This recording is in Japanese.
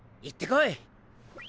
行ってこい！